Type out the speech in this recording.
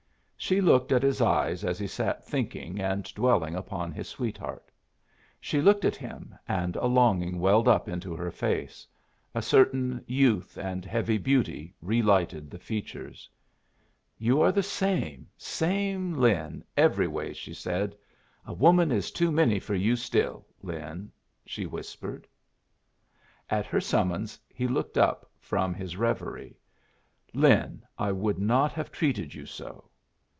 She looked at his eyes as he sat thinking and dwelling upon his sweetheart. She looked at him, and a longing welled up into her face. A certain youth and heavy beauty relighted the features. "You are the same, same Lin everyways," she said. "A woman is too many for you still, Lin!" she whispered. At her summons he looked up from his revery. "Lin, I would not have treated you so."